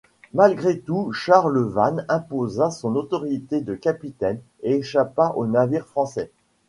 Malgré tout Charles Vane imposa son autorité de capitaine et échappa au navire français.